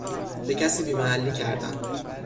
به کسی بیمحلی کردن